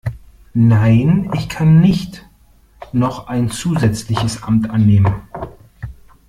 Nein, ich kann nicht noch ein zusätzliches Amt annehmen.